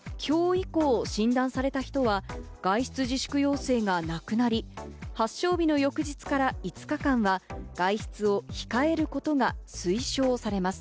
一方、今日以降、診断された人は外出自粛要請がなくなり、発症日の翌日から５日間は外出を控えることが推奨されます。